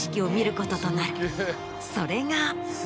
それが。